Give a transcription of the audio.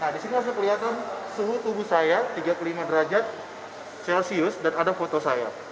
di sini masih kelihatan suhu tubuh saya tiga puluh lima derajat celcius dan ada foto saya